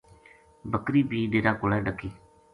بکری بے ڈیرا کولے ڈَکی